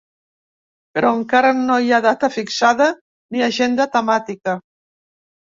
Però encara no hi ha data fixada ni agenda temàtica.